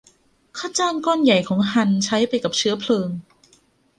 ค่าจ้างก้อนใหญ่ของฮันใช้ไปกับเชื้อเพลิง